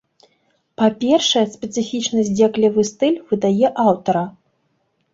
Па-першае, спецыфічны здзеклівы стыль выдае аўтара.